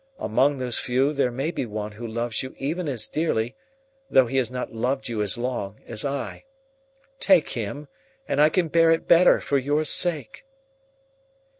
Among those few there may be one who loves you even as dearly, though he has not loved you as long, as I. Take him, and I can bear it better, for your sake!"